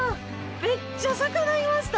めっちゃ魚いました。